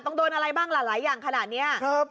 ต้องโดนอะไรบ้างล่ะหลายอย่างขนาดนี้